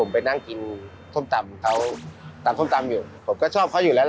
แอบบอกแอบบิ๊กไปกินบ่อยใช่ไหมครับไปกินบ่อยครับไปกินบ่อยแอบบอกแอบบิ๊กไปกินบ่อยครับ